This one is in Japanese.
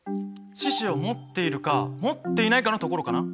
四肢をもっているかもっていないかのところかな。